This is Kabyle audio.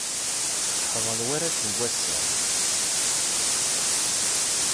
Qeḥḍen warrac n wass-a.